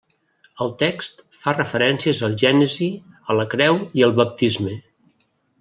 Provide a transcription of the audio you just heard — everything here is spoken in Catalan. El text fa referències al Gènesi, a la creu i al baptisme.